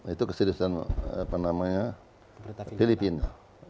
itu keseluruhan filipina